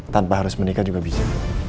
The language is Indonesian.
tanpa harus menikah juga bisa